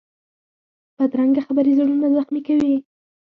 بدرنګه خبرې زړونه زخمي کوي